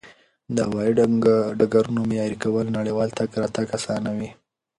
د هوایي ډګرونو معیاري کول نړیوال تګ راتګ اسانوي.